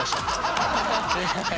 ハハハハ！